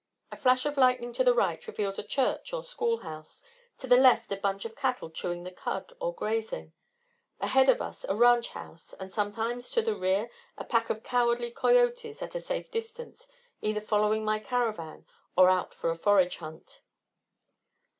A flash of lightning to the right reveals a church or school house, to the left, a bunch of cattle chewing the cud or grazing, ahead of us, a ranch house, and, sometimes, to the rear, a pack of cowardly coyotes, at a safe distance, either following my caravan, or out on a forage hunt.